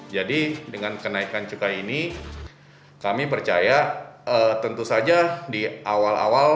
jadi dengan kenaikan cukai ini kami percaya tentu saja di awal awal